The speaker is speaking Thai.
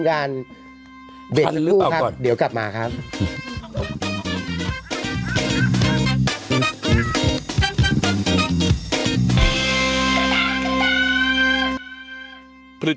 คันหรือเปล่าก่อนเดี๋ยวกลับมาครับคันหรือเปล่าก่อน